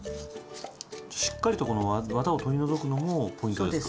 じゃあしっかりとこのわたを取り除くのもポイントですか？